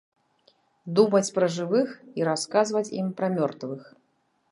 Думаць пра жывых і расказваць ім пра мёртвых.